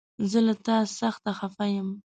زه له تا سخته خفه يم!